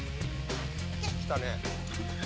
来たね。